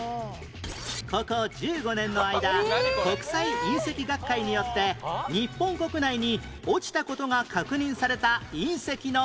ここ１５年の間国際隕石学会によって日本国内に落ちた事が確認された隕石の数は？